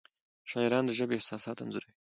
شاعران د ژبې احساسات انځوروي.